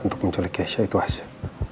untuk menculik yesua itu hasil